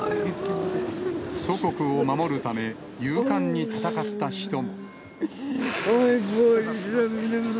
祖国を守るため、勇敢に戦った人も。